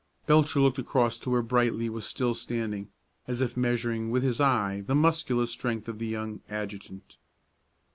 Belcher looked across to where Brightly was still standing, as if measuring with his eye the muscular strength of the young adjutant.